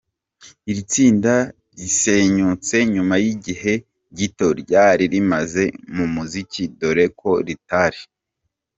Iri tsinda risenyutse nyuma y'igihe gito ryari rimaze mu muziki dore ko ritari